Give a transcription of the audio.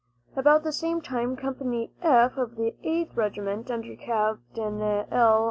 About the same time Company "F," of the Eighth Regiment, under Capt. L.